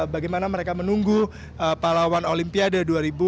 bagaimana mereka menunggu pahlawan olimpiade dua ribu enam belas